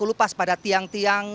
terkelupas pada tiang tiang